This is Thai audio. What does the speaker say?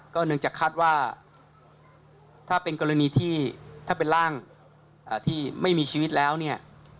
เนื่องจากคาดว่าถ้าเป็นกรณีที่ถ้าเป็นร่างที่ไม่มีชีวิตแล้วเนี่ย